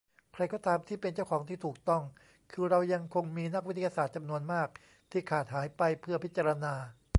ใครก็ตามที่เป็นเจ้าของที่ถูกต้องคือเรายังคงมีนักวิทยาศาสตร์จำนวนมากที่ขาดหายไปเพื่อพิจารณา